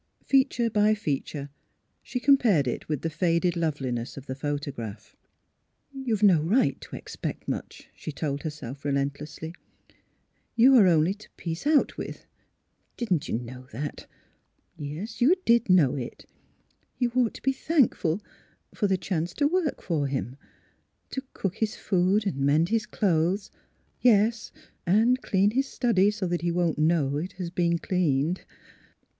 Feature by feature she compared it with the faded loveliness of the photograph. " You have no right to expect much," she told herself, relentlessly. '' You are only to piece out with. Didn't you know that? You did know it. You ought to be thankful for the chance to work for him — to cook his food and mend his clothes — yes, and clean his study so that he won't know it has been cleaned."